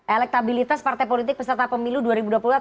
elektabilitas partai politik peserta pemilu dua ribu dua puluh empat